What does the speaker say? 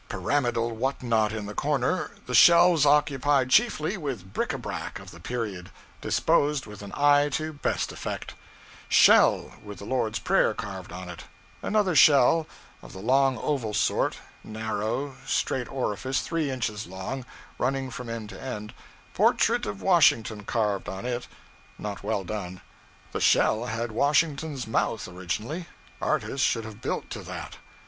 Pyramidal what not in the corner, the shelves occupied chiefly with bric a brac of the period, disposed with an eye to best effect: shell, with the Lord's Prayer carved on it; another shell of the long oval sort, narrow, straight orifice, three inches long, running from end to end portrait of Washington carved on it; not well done; the shell had Washington's mouth, originally artist should have built to that.